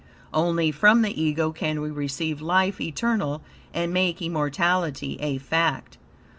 Only from the Ego can we receive life eternal and make immortality a fact.